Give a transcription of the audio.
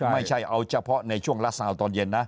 ไม่ใช่เอาเฉพาะในช่วงละสาวตอนเย็นนะ